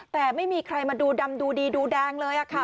แต่ไม่มีใครมาดูดำดูดีดูแดงเลยค่ะ